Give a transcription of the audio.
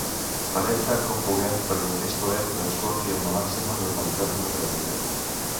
Farem tant com puguem perquè aquest ple transcorri amb la màxima normalitat democràtica.